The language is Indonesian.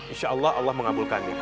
insya allah allah mengabulkannya